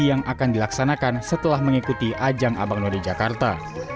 yang akan dilaksanakan setelah mengikuti ajang abang none jakarta